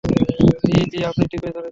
জ্বি, জ্বি, আপনি ঠিকই ধরেছেন!